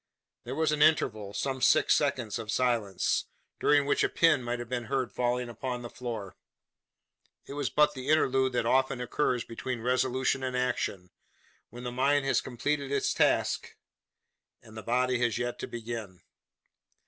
There was an interval some six seconds of silence, during which a pin might have been heard falling upon the floor. It was but the interlude that often occurs between resolution and action; when the mind has completed its task, and the body has yet to begin.